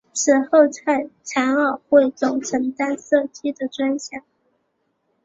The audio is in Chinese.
此后在残奥会中承担射击的专项。